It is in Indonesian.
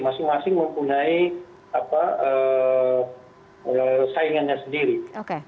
masing masing mempunyai saingannya sendiri